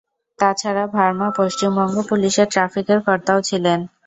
তা ছাড়া ভার্মা পশ্চিমবঙ্গ পুলিশের ট্রাফিকের কর্তা ও ছিলেন।